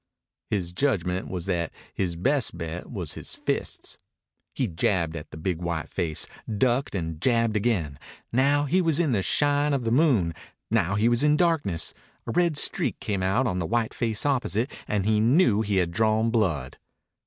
His judgment was that his best bet was his fists. He jabbed at the big white face, ducked, and jabbed again. Now he was in the shine of the moon; now he was in darkness. A red streak came out on the white face opposite, and he knew he had drawn blood.